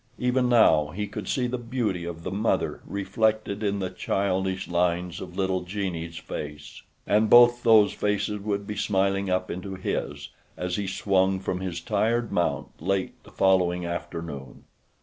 Even now he could see the beauty of the mother reflected in the childish lines of little Jeanne's face, and both those faces would be smiling up into his as he swung from his tired mount late the following afternoon.